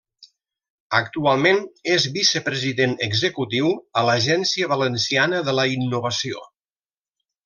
Actualment és Vicepresident Executiu a l'Agència Valenciana de la Innovació.